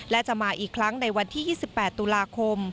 และจะมาอีกครั้งในวันที่๒๘ตุลาคม